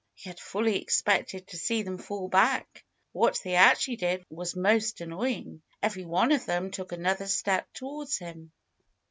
He had fully expected to see them fall back. What they actually did was most annoying. Every one of them took another step towards him.